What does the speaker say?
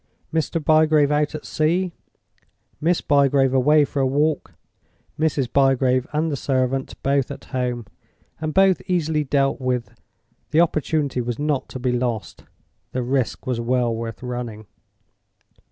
Mr. Bygrave out at sea; Miss Bygrave away for a walk; Mrs. Bygrave and the servant both at home, and both easily dealt with—the opportunity was not to be lost; the risk was well worth running!